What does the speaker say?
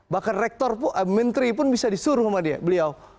bahkan rektor pun menteri pun bisa disuruh sama beliau